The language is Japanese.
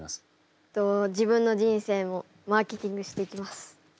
えっと自分の人生もマーケティングしていきます。